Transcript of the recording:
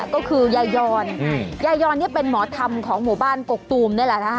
ก็คือยายรยายรเป็นหมอธรรมของหมู่บ้านกกตูม